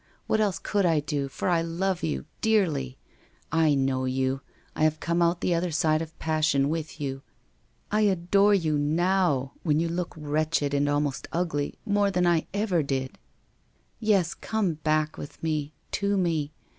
What else could I do, for I love you, dearly. I know you, I have come out the other side of passion with you. I adore you now, when you look wretched and almost ugly, more than I ever did. Yes, come back with me, to me!